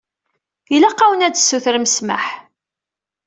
Ilaq-awen ad tsutrem ssmaḥ.